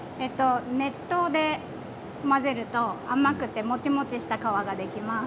熱湯で混ぜると甘くてもちもちした革ができます。